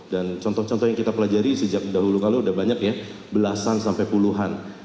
dan contoh contoh yang kita pelajari sejak dahulu kalau sudah banyak ya belasan sampai puluhan